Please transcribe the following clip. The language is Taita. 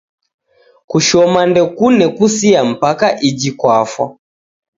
Kushoma ndokune kusia mpaka iji kwafwa.